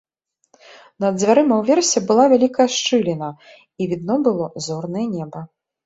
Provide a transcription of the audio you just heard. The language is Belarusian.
Над дзвярыма ўверсе была вялікая шчыліна, і відно было зорнае неба.